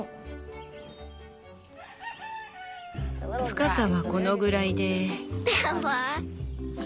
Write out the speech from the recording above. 深さはこのぐらいで。